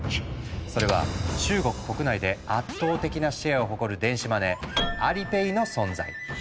それは中国国内で圧倒的なシェアを誇る電子マネー「Ａｌｉｐａｙ」の存在。